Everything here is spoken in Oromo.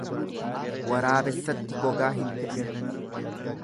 Waraabessatti gogaa hin fe'an.